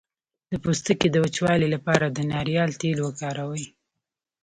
د پوستکي د وچوالي لپاره د ناریل تېل وکاروئ